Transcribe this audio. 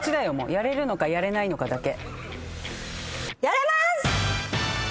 やれるのかやれないのかだけ。